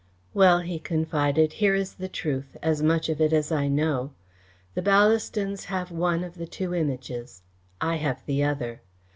"Well," he confided, "here is the truth as much of it as I know. The Ballastons have one of the two Images. I have the other.